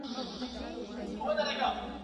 خو هغه کړو چي بادار مو خوشالیږي ..